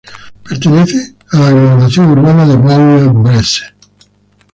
Pertenece a la aglomeración urbana de Bourg-en-Bresse.